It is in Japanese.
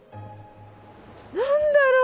何だろう？